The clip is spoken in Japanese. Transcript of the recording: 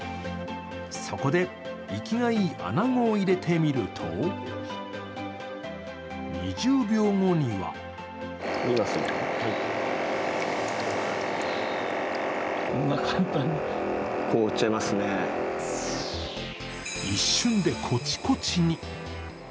そこで生きがいいあなごを入れてみると２０秒後には一瞬でコチコチに。